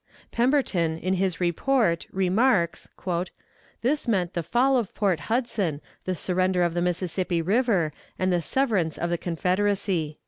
Pemberton, in his report, remarks: "This meant the fall of Port Hudson, the surrender of the Mississippi River, and the severance of the Confederacy."